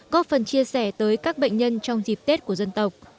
góp phần chia sẻ tới các bệnh nhân trong dịp tết của dân tộc